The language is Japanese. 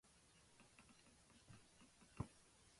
今年絶対紅組が勝つ